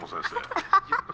ハハハハ！